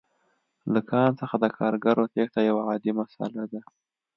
له کان څخه د کارګرو تېښته یوه عادي مسئله ده